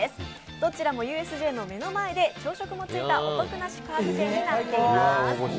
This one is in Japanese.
どちらもＵＳＪの目の前で朝食もついたお得な宿泊券になっております。